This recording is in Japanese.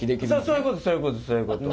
そうそういうことそういうこと。